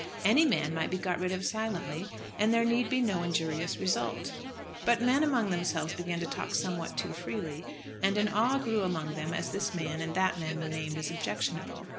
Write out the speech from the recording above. Any man might be got rid of silently, and there need be no injurious results. But men among themselves began to talk somewhat too freely, and an awe grew among them as this man and that man were named as objectionable.